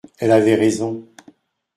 Elle avait raison.